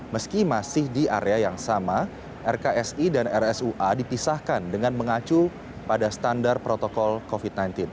meski masih di area yang sama rksi dan rsua dipisahkan dengan mengacu pada standar protokol covid sembilan belas